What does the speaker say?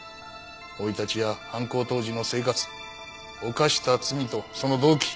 生い立ちや犯行当時の生活犯した罪とその動機。